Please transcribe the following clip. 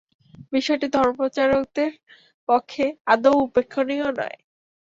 বিষয়টি ধর্মপ্রচারকদের পক্ষে আদৌ উপেক্ষণীয় নয়।